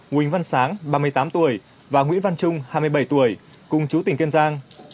huỳnh văn sáng ba mươi tám tuổi và nguyễn văn trung hai mươi bảy tuổi cùng chú tỉnh kiên giang